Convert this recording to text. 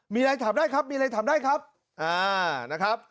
มีอะไรถามได้ครับมีอะไรถามได้ครับนะครับ